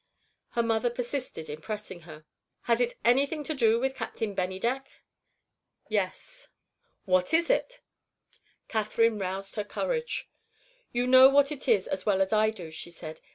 Her mother persisted in pressing her. "Has it anything to do with Captain Bennydeck?" "Yes." "What is it?" Catherine roused her courage. "You know what it is as well as I do," she said.